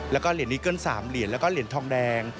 แล้วก็เหรียญนิเกิ้ล๓เหรียญแล้วก็เหรียญทองแดง